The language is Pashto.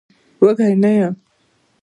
وږی نه يم.